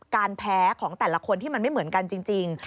แพ้ของแต่ละคนที่มันไม่เหมือนกันจริง